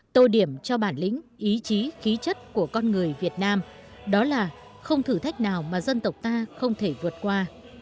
tô điểm cho bản lĩnh ý chí khí chất của con người việt nam đó là không thử thách nào mà dân tộc ta không thể vượt qua